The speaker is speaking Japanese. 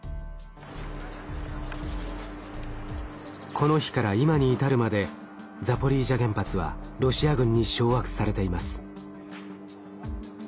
この日から今に至るまでザポリージャ原発はロシア軍に掌握されています。